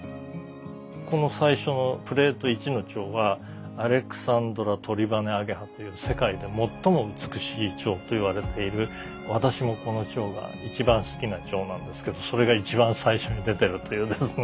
この最初のプレート１のチョウはアレクサンドラトリバネアゲハっていう世界で最も美しいチョウといわれている私もこのチョウが一番好きなチョウなんですけどそれが一番最初に出てるというですね。